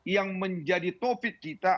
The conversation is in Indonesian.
yang menjadi topik kita